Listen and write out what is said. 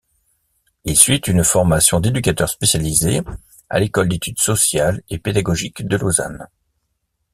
Il suit une formation d’éducateur spécialisé à l’école d’études sociales et pédagogiques de Lausanne.